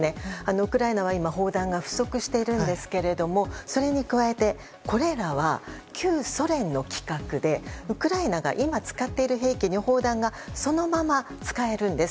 ウクライナは今砲弾が不足しているんですがそれに加えてこれらは旧ソ連の規格でウクライナが今使っている兵器に砲弾がそのまま使えるんです。